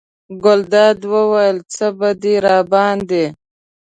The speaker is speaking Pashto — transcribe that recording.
ګلداد وویل: څه به دې راباندې.